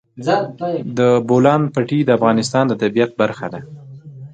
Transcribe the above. د بولان پټي د افغانستان د طبیعت برخه ده.